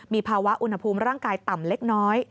มีภาวะอุณหภูมิร่างกายต่ำเล็กน้อย